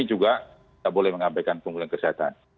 dan pemulihan ekonomi juga tidak boleh mengabaikan pemulihan kesehatan